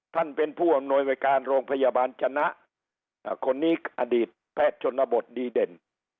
ท่านเป็นผู้อำนวยการโรงพยาบาลชนะคนนี้อดีตแพทย์ชนบทดีเด่น